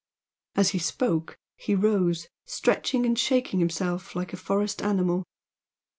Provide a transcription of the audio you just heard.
As he spoke, he rose, stretching and shaking him self like a forest animal.